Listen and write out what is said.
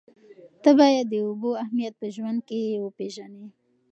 ته باید د اوبو اهمیت په ژوند کې پېژنه.